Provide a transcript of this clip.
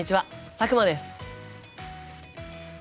佐久間です。